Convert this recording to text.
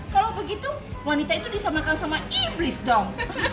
kalau begitu wanita itu disamakan sama iblis dong